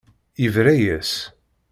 Yebra-yas.